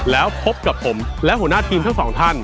แล้วพบกับผมและหัวหน้าทีมทั้งสองท่าน